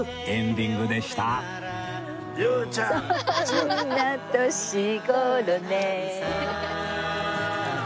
「そんな年頃ね」